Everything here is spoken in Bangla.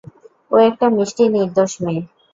ও একটা মিষ্টি, নির্দোষ মেয়ে।